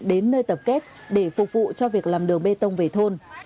và chơi tập kết để phục vụ cho việc làm đường bê tông về thôn